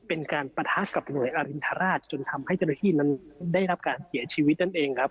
เป็นการปะทะกับหน่วยอรินทราชจนทำให้เจ้าหน้าที่นั้นได้รับการเสียชีวิตนั่นเองครับ